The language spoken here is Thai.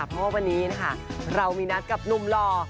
เพราะว่าวันนี้นะคะเรามีนัดกับหนุ่มหล่อ